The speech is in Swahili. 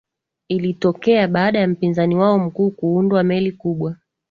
ilitokea baada ya mpinzani wao mkuu kuundwa meli kubwa